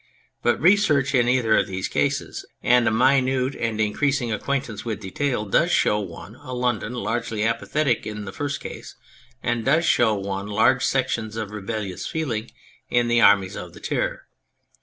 But research in either of these cases, and a minute and increasing acquaintance with detail, does show one a London largely apathetic in the first case, and does show one large sections of rebellious feeling in the armies of the Terror.